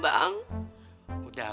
tapi kan harus seneng modelnya bang